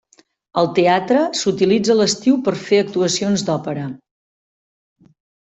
El teatre s'utilitza a l'estiu per a fer actuacions d'òpera.